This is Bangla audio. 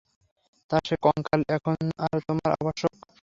তা, সে কঙ্কালে এখন আর তোমার আবশ্যক?